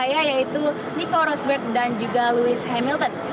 yaitu nico rosberg dan juga louis hamilton